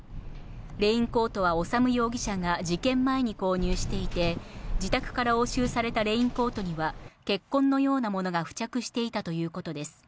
レインコートは修容疑者が事件前に購入していて、自宅から押収されたレインコートには血痕のようなものが付着していたということです。